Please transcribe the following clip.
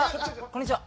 こんにちは。